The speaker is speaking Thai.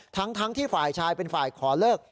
ทั้งที่ฝ่ายชายเป็นฝ่ายขอเลิก